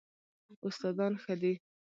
استادان ښه دي؟